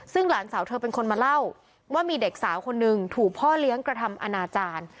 ซึ่งหลานสาวเธอเป็นคนมาเล่าว่ามีเด็กสาวคนนึงถูกพ่อเลี้ยงกระทำอนาจารย์